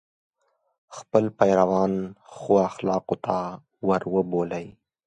خپل پیروان ښو اخلاقو ته وروبولي.